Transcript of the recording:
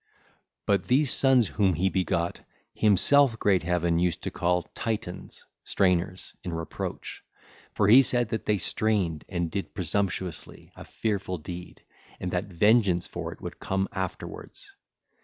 (ll. 207 210) But these sons whom he begot himself great Heaven used to call Titans (Strainers) in reproach, for he said that they strained and did presumptuously a fearful deed, and that vengeance for it would come afterwards.